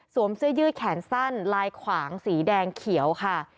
เสื้อยืดแขนสั้นลายขวางสีแดงเขียวค่ะ